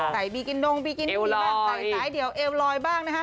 ใส่บีกินศูนย์ใบกินปลิบ้างใส่ไว้เดี่ยวเอลลอยบ้าง